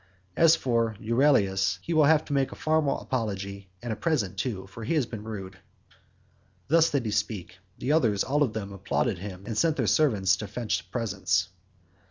As for Euryalus he will have to make a formal apology and a present too, for he has been rude." Thus did he speak. The others all of them applauded his saying, and sent their servants to fetch the presents.